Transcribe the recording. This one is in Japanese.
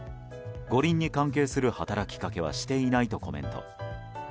五輪に関係する働きかけはしていないとコメント。